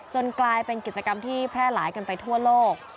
กลายเป็นกิจกรรมที่แพร่หลายกันไปทั่วโลก